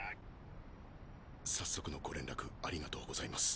早速のご連絡ありがとうございます。